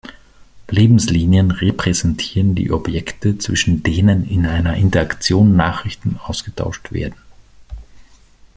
Lebenslinien repräsentieren die Objekte, zwischen denen in einer Interaktion Nachrichten ausgetauscht werden.